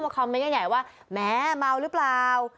คอมเมนต์กันใหญ่ว่าแม้เมาหรือเปล่า